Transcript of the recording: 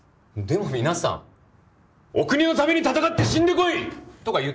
でも皆さん「お国のために戦って死んでこい！」とか言ってるでしょ？